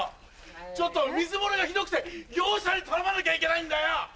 ちょっと水漏れがひどくて業者に頼まなきゃいけないんだよ！